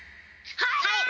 はい！